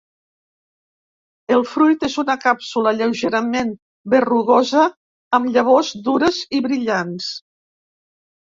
El fruit és una càpsula lleugerament berrugosa amb llavors dures i brillants.